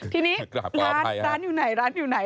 ทีนี้ล้านอยู่ไหนล้านล้างรถไง